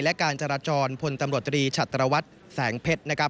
และการจราจรพลตำรวจตรีชัตรวัฒน์แสงเพชร